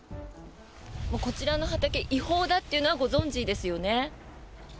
こちらの畑違法だというのはご存じですよね？